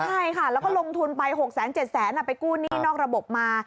ใช่ค่ะแล้วก็ลงทุนไป๖๗แสนไปกู้หนี้นอกระบบมา